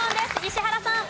石原さん。